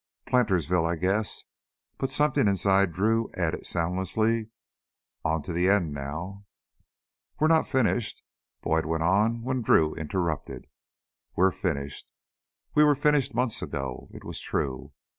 "Plantersville, I guess." But something inside Drew added soundlessly: On to the end now. "We're not finished " Boyd went on, when Drew interrupted: "We're finished. We were finished months ago." It was true